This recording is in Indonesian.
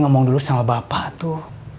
ngomong dulu sama bapak tuh